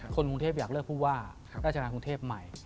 คนกรุงเทพอยากเลือกผู้ว่าราชการกรุงเทพใหม่